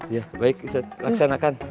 iya baik laksanakan